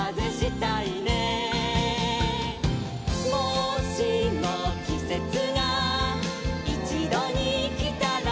「もしもきせつがいちどにきたら」